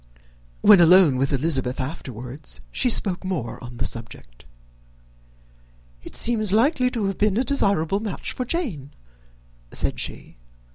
When alone with Elizabeth afterwards, she spoke more on the subject. "It seems likely to have been a desirable match for Jane," said she.